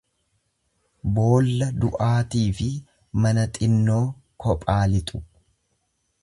Boolla du'aatiifi mana xinnoo kophaa lixu.